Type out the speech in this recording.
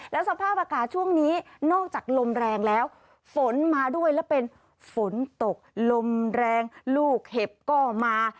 แล้วสภาพอากาศช่วงนี้นอกจากลมแรงแล้วฝนมาด้วยแล้วเป็นฝนตกลมแรงลูกเห็บก็มา